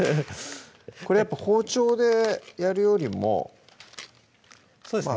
これやっぱ包丁でやるよりもそうですね